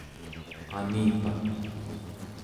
anipa